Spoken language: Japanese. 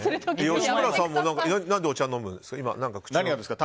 吉村さんも何でお茶飲むんですか？